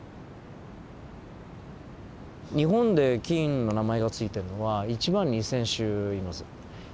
日本で菌の名前が付いてるのは１万２，０００種います。